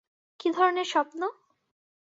কী ধরণের স্বপ্ন?